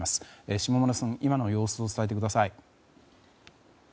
下村さん、今の様子を伝えてください。